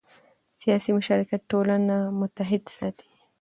سیاسي مشارکت ټولنه متحد ساتي